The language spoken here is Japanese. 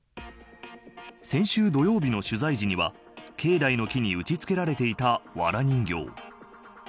先週、土曜日の取材時には境内の木に打ち付けられていたわら人形。